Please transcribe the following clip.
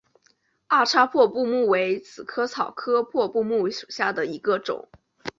二叉破布木为紫草科破布木属下的一个种。